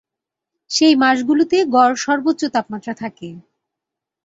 সেই মাসগুলিতে গড় সর্বোচ্চ তাপমাত্রা থাকে।